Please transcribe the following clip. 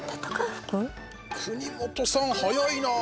国本さん、早いな。